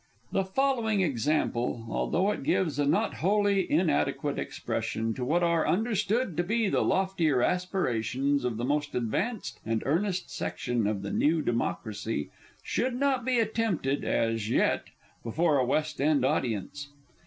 The following example, although it gives a not wholly inadequate expression to what are understood to be the loftier aspirations of the most advanced and earnest section of the New Democracy, should not be attempted, as yet, before a West End audience.